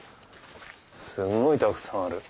すんごいたくさんある。